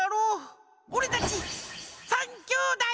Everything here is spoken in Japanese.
おれたち３きょうだい！